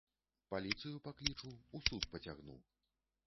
Паліцыю паклічу, у суд пацягну.